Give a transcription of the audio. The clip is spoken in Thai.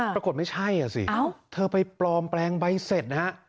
ปรากฏไม่ใช่อ่ะสิเธอไปปลอมแปลงใบเสร็จนะฮะ